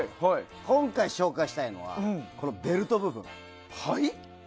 今回紹介したいのはベルト部分。